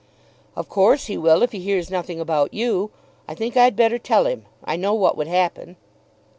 "Of course he will if he hears nothing about you. I think I'd better tell him. I know what would happen."